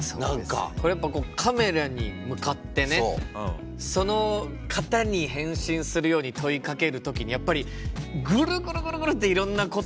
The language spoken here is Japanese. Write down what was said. これやっぱこうカメラに向かってねその方に返信するように問いかける時にやっぱりグルグルグルグルっていろんな言葉がね。